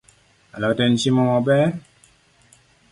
Alot en chiemo maber